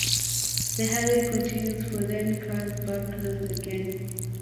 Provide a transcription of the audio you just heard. The highway continues for then curves back north again.